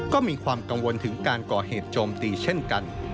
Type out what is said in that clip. ก็มีความกังวลถึงการก่อเหตุโจมตีเช่นกัน